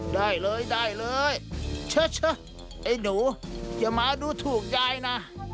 ได้เลยช่ะไอ้หนูอย่ามาดูถูกยายนะ